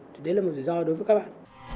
thì đấy là một rủi ro đối với các bạn